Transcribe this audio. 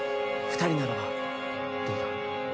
二人ならばどうだ？